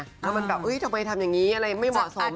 แล้วมันแบบทำไมทำอย่างนี้อะไรไม่เหมาะสม